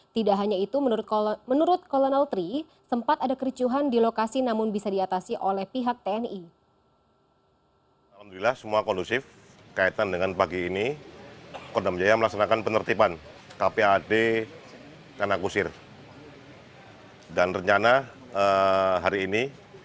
tidak hanya itu menurut kolonel tri sempat ada kericuhan di lokasi namun bisa diatasi oleh pihak tni